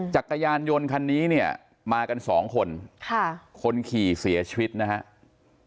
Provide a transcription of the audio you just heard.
จักรยานยนต์คันนี้เนี่ยมากันสองคนค่ะคนขี่เสียชีวิตนะครับ